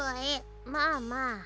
まあまあ。